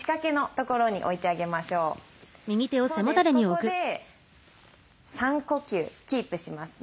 ここで３呼吸キープしますね。